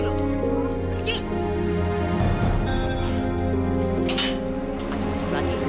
aduh macem macem lagi